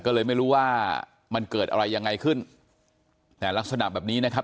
ก็เลยไม่รู้ว่ามันเกิดอะไรยังไงขึ้นแต่ลักษณะแบบนี้นะครับ